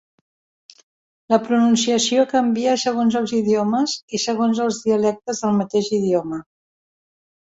La pronunciació canvia segons els idiomes, i segons els dialectes del mateix idioma.